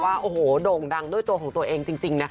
ว่าโอ้โหโด่งดังด้วยตัวของตัวเองจริงนะคะ